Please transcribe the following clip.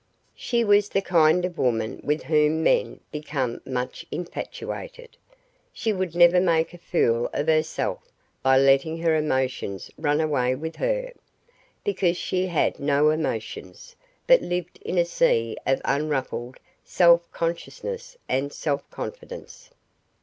She was the kind of woman with whom men become much infatuated. She would never make a fool of herself by letting her emotions run away with her, because she had no emotions, but lived in a sea of unruffled self consciousness and self confidence.